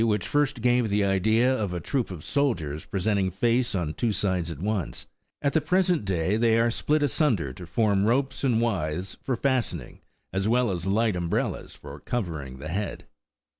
171 which first gave the idea of a troop of soldiers presenting face on two sides at once ; at the present day they are split asunder13 to form ropes and wythes for fastening, as well as light um brellas u for covering the head.